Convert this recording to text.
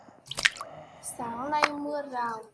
Sáng nay mưa rào